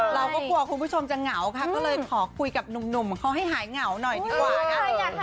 เราก็กลัวคุณผู้ชมจะเหงาค่ะก็เลยขอคุยกับหนุ่มเขาให้หายเหงาหน่อยดีกว่านะ